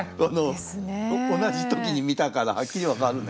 同じ時に見たからはっきり分かるね。